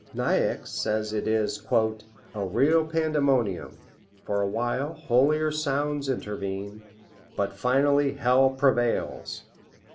Niecks says it is "a real pandemonium; for a while holier sounds intervene, but finally hell prevails."